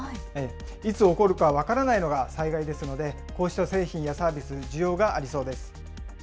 いつ起こるか分からないのが災害ですので、こうした製品やサービスに需要がありそうです。